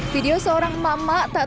video seorang mama tak terima kendaraan